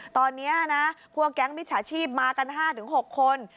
ตอนนี้นะพวกแก๊งมิจฉาชีพมากัน๕๖คน